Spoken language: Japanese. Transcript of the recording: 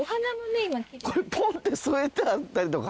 これポンって添えてあったりとか。